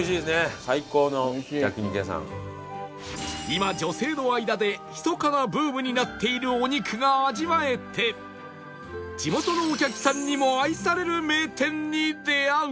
今女性の間でひそかなブームになっているお肉が味わえて地元のお客さんにも愛される名店に出会う